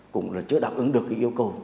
cũng chưa đáp ứng được yêu cầu